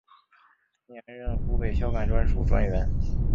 同年任湖北孝感专署专员。